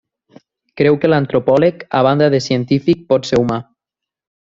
Creu que l'antropòleg, a banda de científic pot ser humà.